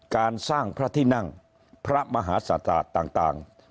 การสร้างพระที่นั่งพระมหาศาสตต่าง